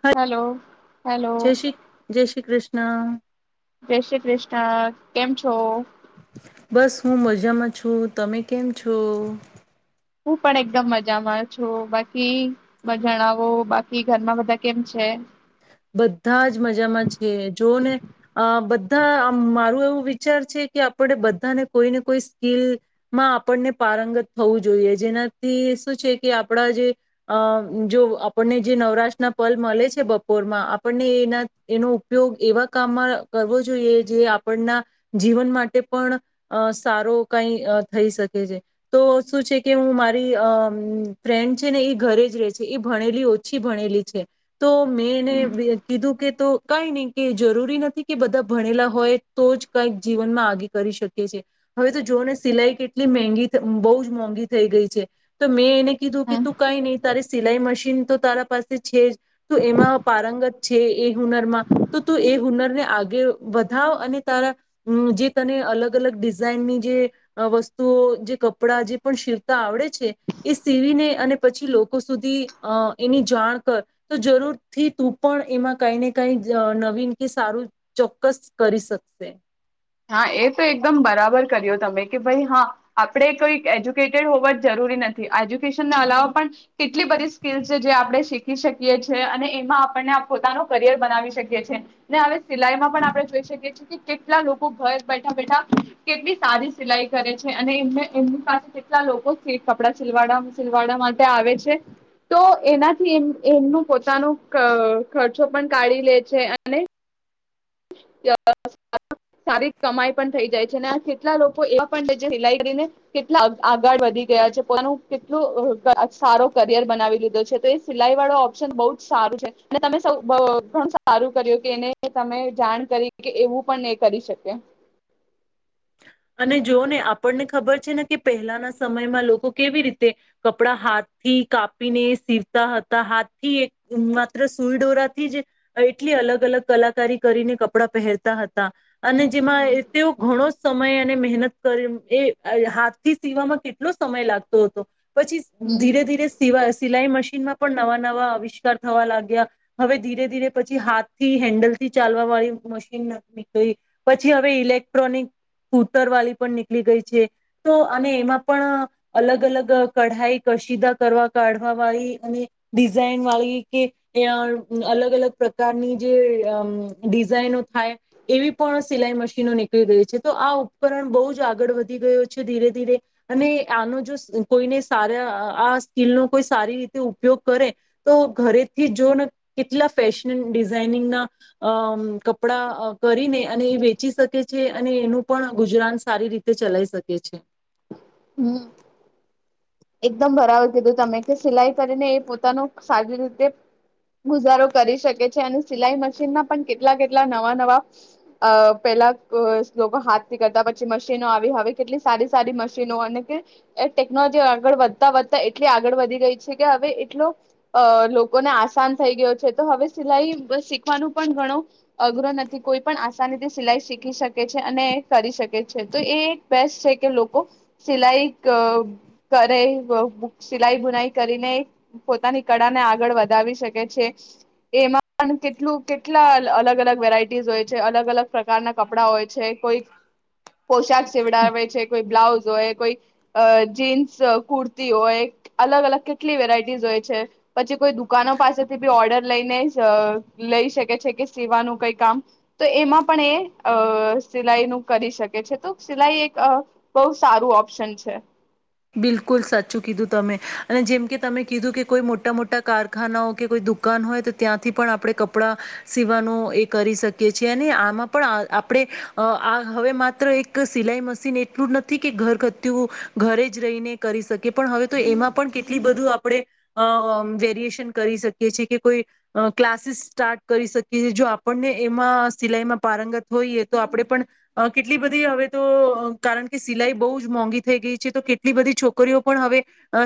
હા hello hello જય શ્રી જય શ્રી કૃષ્ણ. હા. જય શ્રી કૃષ્ણ કેમ છો? બસ હું મજામાં છું તમે કેમ છો? હું પણ એકદમ મજામાં છું બાકી જણાવો બાકી ઘરમાં બધાં કેમ છે? બધાં જ મજામાં છે જોને અ બધાં મારું એવું વિચાર છે કે આપણે બધાને કોઈ ને કોઈ સ્કીલમાં આપણને પારંગત થવું જોઈએ જેનાથી શું છે કે આપણા જે અ જો આપણને જે નવરાશના પલ મલે છે બ પોરમાં આપણને એના એનો ઉપયોગ એવા કામમાં કરવો જોઈએ જે આપણના જીવન માટે પણ અ સારો કાઈ થઈ શકે છે તો શું છે કે હું મારી અ ફ્રેન્ડ છે ને એ ઘરે જ રે છે એ ભણેલી ઓછી ભણેલી છે તો મેં એને કીધું કે તું કઈ નહી કે જરૂરી નથી કે બધા ભણેલા હોય તો જ કઈક જીવનમાં આગે કરી શકે છે હવે તો જોઓ ને સિલાઈ કેટલી મગી બહુ જ મોંઘી થઈ ગઈ છે તો મેં એને કીધું કે તું કઈ નહીઈ તારી સિલાઈ મશીન તો તારા પાસે છે જ. તો એમાં પારંગત છે એ હુનરમાં તો તું એ હુનરને આગે વધાવ અને તારા જે તને અલગ અલગ ડિઝાાઈનની જે વસ્તુઓ જે કપડાં જે પણ શીરતા આવડે છે એ સીવીને અને પછી લોકો સુધી એની જાણ કર તો જરૂર થી તું પણ એમાં કઈ ને કઈ નવીન કે સારું ચોક્કસ કરી શકશે. હા એ તો એકદમ બરાબર કર્યો તમે કે ભાઈ હા આપણે કોઈ એજ્યુકેટેડ હોવા જ જરૂરી નથી એજ્યુકેશનના અલાવા પણ કેટલી બધી સ્કીલસ છે જે આપણે શીખી શકીએ છીએ અને એમાં આપણને પોતાનો કરિયર બનાવી શકીએ છીએ ને હવે સિલાઈમાં પણ આપણે જોઈ શકીએ છીએ કે કેટલા ઘ બેઠા બેઠા કેટલી સારી સિલાઈ કરે છે અને એને એમની પાસે કેટલા લોકો કપડા સલ સિલવાડા માટે આવે છે તો એનાથી એમનું પોતાનું ખર્ચો પણ કાઢી લે છે અને સારી કમાઈ પણ થઈ જાય છે ને આ કેટલા લોકો એવા પણ સિલાઈ કરીને કેટલા આગળ વધી ગયા છે પોતાનું કેટલું સારો કરિયર બનાવી લીધો છે તો એ સિલાઈ વાળો ઓપ્શન બહ જ સારું છે અને તમે ઘ સારું કર્યું કે એને તમે જાણ કરી કે એવું પણ કરી શકે. અને જોઓ ને આપણને ખબર છે ને કે પહેલાના સમયમાં લોકો કેવી રીતે કપડા હાથથી કાપીને સીવતા હતા, હાથથી એક માત્ર સુઈ ડોરાથી જ એટલી અલગ અલગ કલાકારી કરીને કપડાં પહેરતા હતા. અને જેમાં તેઓ ઘણો સમય અને મહેનત કરી એ અહ હાથથી સીવામાં કેટલો સમય લાગતો હતો. પછી હમ ધીરે-ધીરે સિવા સિલાઈ મશ મશીનમાં પણ નવા-નવા અવિષ્કાર થવા લાગ્યા, હવે ધીરે-ધીરે પછી હાથ થી હેન્ડલ થી ચાલવા વાળી મશીન નીકળી પછી, હવે ઇલેક્ટ્રોનિક સૂતર વાળી પણ નીકળી ગઈ છે. તો અને એમાં પણ અલગ-અલગ કઢાઈ, કશીદા કરવા, કાઢવા વાળી અને ડિઝાઇન વાળી કે અહ અલગ-અલગ પ્રકારની જે અમ ડિઝાાઈનો થાય એવી પણ સિલાઈ મશીનો નીકળી ગઈ છે. તો આ ઉપકરણ બહુ જ આગળ વધી ગયો છે ધીરે-ધીરે, અને આનો જો સ કોઈને સારા આ સ્કીલનો કોઈ સારી રીતે ઉપયોગ કરે તો ઘરેથી જોઓ ને કેટલા ફેશન ડિઝાઇનિંગના અમ કપડાં કરીને અને એ વેચી શકે છે અને એનું પણ ગુજરાન સારી રીતે ચલાઈ શકે છે. હમ્મ. એકદમ બરાબર કીધું તમે કે સિલાઈ કરીને એ પોતાનો સારી રીતે ગુજારો કરી શકે છે, અને સિલાઈ મશીનના પણ કેટલા-કેટલા નવા-નવા અહ પેલા અહ લોકો હાથ થી કરતા પછી મશીનો આવી હવે કેટલી સારી-સારી મશીનો અને કે ટેકનોલોજી આગળ વધતા-વધતા એટલી આગળ વધી ગઈ છે કે હવે એટલો અહ લોકોને આસાન થઈ ગયો છે, તો હવે સિલાઈ શીખવાનું પણ ઘણું અઘરો નથી કોઈ પણ આસની રીતે સિલાઈ શીખી શકે છે, અને કરી શકે છે. તો એ બેસ્ટ છે કે લોકો સિલાઈ ક કરે. સિલાઈ બુનાઈ કરીને પોતાની કળા ને આગળ વધાવી શકે છે. એમાં પણ કેટલું કેટલા અલગ-અલગ વેરાઈટીઝ હોય છે, અલગ અલગ પ્રકારના કપડા હોય છે, કોઈક પોશાક સીવડાવે છે, કોઈ બ્લાઉઝ હોય, કોઈ અહ જીન્સ સ કુર્તી હોય, અલગ-અલગ કેટલી વેરાયટીઝ હોય છે, પછી કોઈ દુકાનો પાસેથી બી ઓર્ડર લઈને અહ લઈ શકે છે, કે સીવાનું કાઈ કામ તો એમાં પણ એ અહ સિલાઈ નું કરી શકે છે. તો સિલાઈ એક બહુ સારું ઓપ્શન છે. બિલકુલ સાચું કીધું તમે, અને જેમ કે તમે કીધું કે કોઈ મોટા મોટા કારખાનાઓ કે કોઈ દુકાન હોય તો ત્યાંથી પણ આપણે કપડાં સીવાનું એ કરી શકીએ છીએ અને આમાં પણ આ આપણે અહ આ હવે માત્ર એક સિલાઈ મશીન એટલું જ નથી કે ઘર ઘતું ઘરે જ રહીને કરી શકી પણ હવે તો એમાં પણ કેટલી બધું અહ આપણે વેરિએશન કરી શકીએ છી કે કોઈ ક્લાસીસ સ્ટાર્ટ કરી શકીએ, જો આપણને એમાં સિલાઈમાં પારંગત હોઈએ તો આપણે પણ કેટલી બધી હવે તો કારણ કે સિલાઈ બહુ જ મોંઘી થઈ ગઈ છે તો કેટ ટલી બધી છોકરીઓ પણ હવે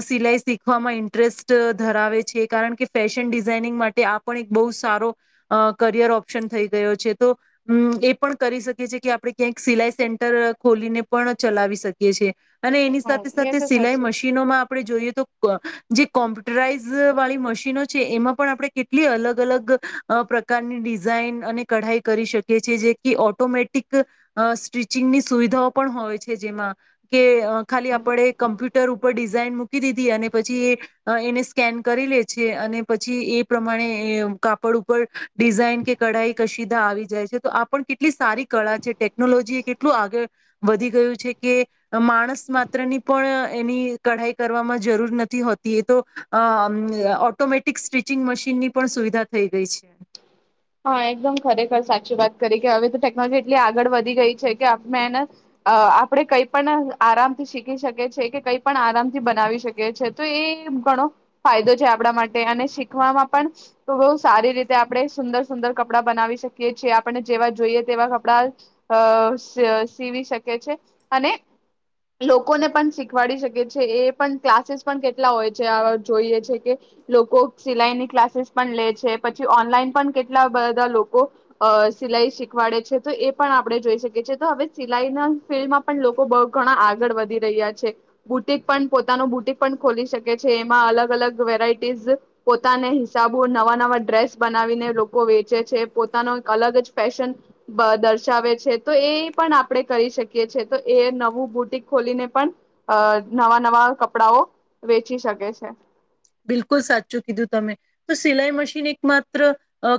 સિલાઈ અહ શીખવામાં ઇન્ટરેસ્ટ ધરાવે છે, કારણ કે ફેશન ડિઝાઇનિંગ માટે આ પણ એક બહુ સારો અહ કરિયર ઓપ્શન થઈ ગયો છે. તો ઉમ એ પણ કરી શકીએ છી કે આપણે ક્યાંક સિલાઈ સેન્ટર ખોલીને પણ ચલાવી શકીએ છે. અને એની સાથ હ એ સાથે તો સિલાઈ સાચી મશીનોમાં આપણે જોઈએ તો જે કોમ્પ્યુટરાઈઝ વાળી મશીનો છે એમાં પણ આપણે કેટલી અલગ-અલગ અહ પ્રકારની ડિઝાઇન અને કઢાઈ કરી શકી છીએ જે કે ઓટોમેટિક અહ સ્ટિચિંગની સુવિધાઓ પણ હોય છે જેમાં, કે ખાલી. હ પડે કમ્પ્યુટર ઉપર ડિઝાઇન મૂકી દીધી અને પછી એ એને સ્કેન કરી લે છે, અને પછી એ પ્રમાણે એ એ કાપડ ઉપર ડિઝાઇન કે કઢાઈ કશીદા આવી જાય છે, તો આ પણ કેટલી સારી કળા છે ટેકનોલોજી એ કેટલું આગળ વધી ગયું છે કે માણસમાં ત્ર ની પણ એની કઢાઈ કરવામાં જરૂર નથી હોતી. એ તો અહ ઓટોમેટિક સ્ટિચિંગ મશીનની પણ સુવિધા થઈ ગઈ છે. હા એકદમ ખરેખર સાચી વાત કરી કે હવે તો ટેકનોલોજી એટલી આગળ વધી ગઈ છે કે આપમેન આપણે કઈ પણ આરામથી શીખી શકીએ છેએ કે કંઈ પણ આરામથી બનાવી શકી છીએ તો એ ઘણો ફાયદો છે આપણા માટે અને શીખવામાં પણ બહુ સારી રીતે આપણે સુંદર ુંર કપડા બનાવી શકીીએ આપણે જેવા જોઈએ તેવા કપડા સીવી શકી છે અને લોકોને પણ શીખવાડી શકે છે એ પણ ક્લાસીસ પણ કેટલા હોય છે જોઈએ છે કે લોકો સિલાઈની ક્લાસીસ પણ લે છે પછી ઓનલાઈન પણ કેટ બધા લોકો અ સિલાઈ શીખવાડે છે તો એ પણ આપણે જોઈ શકી છીએ તો હવે સિલાઈ ના ફિલ્ડમાં પણ લોકો બહુ ઘણા આગળ વધી રહ્યા છે બુટિક પણ પોતાનું બુટિક પણ ખોલી શકે છે એમાં અલગ અલગ વેરાયટીઝ પોતાના હિસાબો નવા નવા ડ્રેસ બનાવીને લોક વેચે છે પોતાનો એક અલગ જ ફેશન દર્શાવે છે તો એ પણ આપણે કરી શકીએ છે તો એ નવું બુટિક ખોલીને પણ નવા નવા કપડાઓ વેચી શકે છે. બિલકુલ સાચું કીધું તમે તો સિલાઈ મશીન એક માત્ર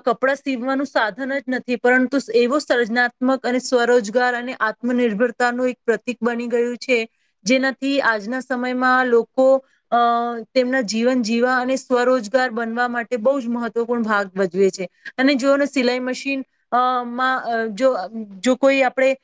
કપડાં સીવવાનું સાધન જ નથી પરંતુ એવો સર્જનાત્મક અને સ્વરોજગાર અને આત્મનિર્ભરતાનું એક પ્રતિક બની ગયું છે જેનાથી આજના સમયમાં લોકો અ તેમના જીવન જીવા અને સ્વરોજગાર બનવા માટે બહુ જ મહત્વપૂર્ણ ભાગ ભજવે છે અને જોને સિલાઈ મશીન અમાં જો જો કોઈ આપણે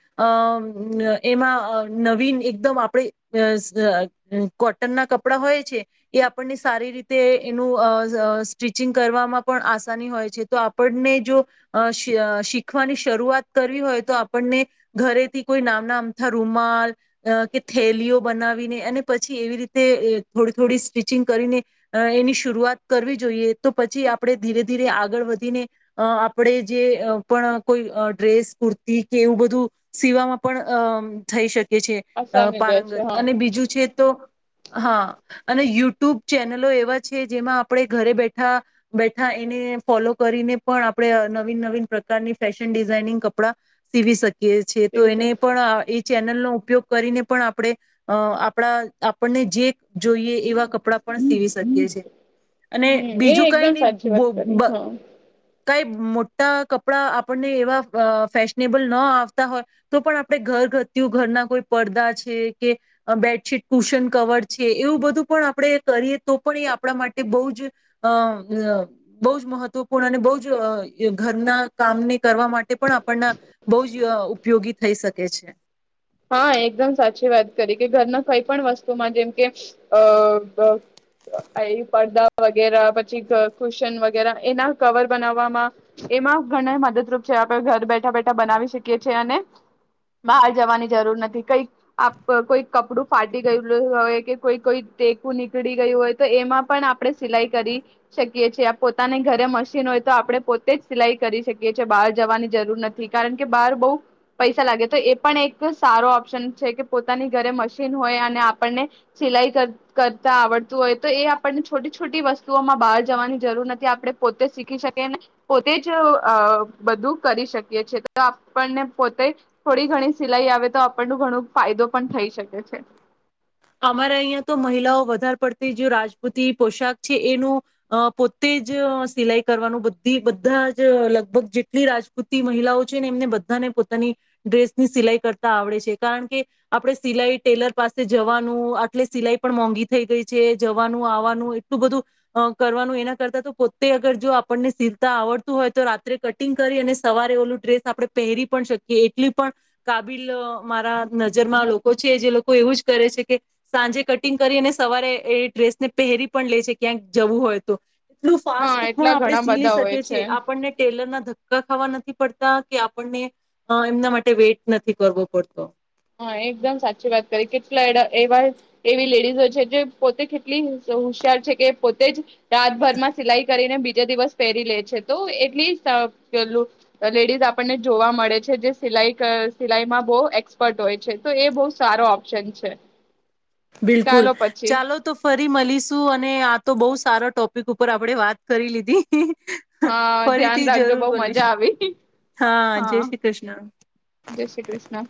અ એમાં નવીન એકદમ આપણે કોટન ના કપડા હોય છે એ આપણને સારી રીતે એનું સ્ટિચિંગ કરવામાં પણ આસાની હોય છે તો આપણને જો અ શીખવાની શરૂઆત કરવી હોય તો આપણને ઘરેથી કોઈ નામના આમથા રૂમાલ કે થેલીઓ બનાવીને અને પછી એવી રીતે થોડી થોડી સ્ટિચિંગ કરીને એની શરૂઆત કરવી જોઈએ તો પછી આપણે ધીરે ધીરે આગળ વધીને આપણે જે પણ કોઈ ડ્રેસ કુર્તી કે એવું બધું સીવામાં પણ અ થઈ શકે. એ છે આસામી રહે છે પારંગત હા અને બીજું છે તો હા અને યુ યુટ્યુબ ચેનલો એવા છે, જેમાં આપણે ઘરે બેઠા બેઠા એને ફોલો કરીને પણ આપણે નવીન નવીન પ્રકારની ફેશન ડિઝાઇનિંગ કપડા સીવી શકી કે એ છે તો એને પણ એ નલ નો ઉપયોગ કરીને પણ આપણે અ આપણા આપણને જે જોઈએ એવા કપ કપડા પણ સીવી શકીએ છીએ. અને હમ બીજું એ કઈ એકદમ નઈ સાચી બો વાત બ કરી હા કાંઈ મોટા કપડાં આપણને એવા ફેશનેબલ ન આવતા હોય, તો પણ આપણે ઘર ઘતું ઘરના કોઈ પડદા છે કે બેડશીટ કુશન કવર છે, એવું બધું પણ આપણે કરીએ તો પણ એ આપણા માટે બઉ જ અ અ બઉ જ મહત્વપૂર્ણ અને બઉ જ ઘરના કામને કરવા માટે પણ આપણના બઉ જ ઉપયોગી થઈ શકે છે. હા એકદમ સાચી વાત કરી કે ઘરના કઈ પણ વસ્તુમાં જેમ કે અ પડદા વગેરા પછી કુશન વગેરા એના કવર બનાવવામાં એમાં ઘણા મદદરૂપ છે આપણે ઘર બેઠા બેઠા બનાવી શકીએ છીએ અને બહાર જવાની જરૂર નથી કઈક આપ કોઈ કપડું ફાટી ગયેલું હોય કે કોઈ કોઈ ટેકું નીકળી ગયું હોય તો એમાં પણ આપણે સિલાઈ કરી શકીએ છીએ પોતાને ઘરે મશીન હોય તો આપણે પોતે જ સિલાઈ કરી શકીએ છેએ બહાર જવાની જરૂર નથી કારણ કે બહાર બહુ પૈસા લાગે તો એ પણ એક સારો ઓપ્શન છે કે પોતાની ઘરે મશીન હોય અને આપણને સિલાઈ કરતા આવડતું હોય તો એ આપણને છોટી છોટી વસ્તુઓમાં બહાર જવાની જરૂર નથી આપણે પોતે શીખી શકીએ અને પોતે જ બધું કરી શકીએ છી તો આપણને પોતે થોડી ઘણી સિલાઈ આવે તો આપણને ઘણો ફાયદો પણ થઈ શકે છે. અમારે અહીયાં તો મહિલાઓ વધારે પડતી જે રાજપૂતિ પોશાક છે એનું અ પોતે જ સિલાઈ કરવાનું બધી બધા જ લગભગ જેટલી રાજપૂતી મહિલાઓ છે ને એમને બધાને પોતાની ડ્રેસની સિલાઈ કરતા આવડે છે કારણ કે આપણે સિલાઈ ટેલર પાસે જવાનું આટલે સિલાઈ પણ મોંઘી થઈ ગઈ છે જવાનું આવાનું એટલું બધું અ કરવાનું એના કરતાં તો પોતે અગર જો આપણને સીલતા આવડતું હોય તો રાત્રે કટિંગ કરી અને સવારે ઓલું ડ્રેસ આપણે પહેરી પણ શકીએ એટલી પણ કાબિલ મારા નજરમાં લોકો છે જે લોકો એવું જ કરે છે કે સાંજે કટિંગ કરી અને સવારે એ ડ્રેસને પહેરી પણ લે છે ક્યાંક જવું હોય તો એટલું હા ફાસ્ટ પણ એટલા આપણે ઘણા સીલી બધા હોય શકીએ છે છીએ આપણને ટેલર ના ધક્કા ખાવા નથી પડતા કે આપણને એમના માટે વેઇટ નથી કરવો પડતો. હા એકદમ સાચી વાત કરી કેટલા એવા એવી લેડીઝો છે જે પોતે કેટલી હોશિયાર છે કે પોતે જ રાતભર માં સિલાઈ કરીને બી જ દિવસ પહેરી લે છે તો એટલીસ્ટ લેડીઝ આપણને જોવા મળે છે જે સિલાઈ સિલાઈમાં બઉ એક્સ પર્ટ હોય છે તો એ બહુ સારો ઓપ્શન છે. બિલકુલ ચાલો પછી ચાલો તો ફરી મળીશું અને આ તો બહુ સારો ટોપિક ઉપર આપડે વાત કરી લીધી. હા ધ્યાન ફરીથી રાખજો જરૂર બહ બોલીશ મજા આવી હા, જય શ્રી કૃષ્ણ જય શ્રી કૃષ્ણ.